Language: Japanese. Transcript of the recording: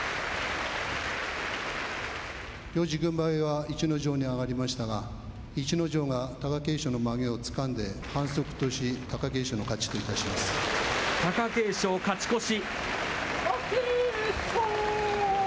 行司軍配は逸ノ城に上がりましたが逸ノ城が貴景勝のまげをつかんで反則とし貴景勝、勝ち越し。